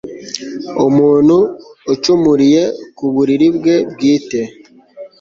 umuntu ucumuriye ku buriri bwe bwite